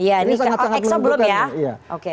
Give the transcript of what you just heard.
ini sangat sangat menundukkan